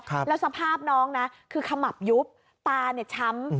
แล้วสภาพน้องนะคือขมับยุบตาเนี่ยช้ำ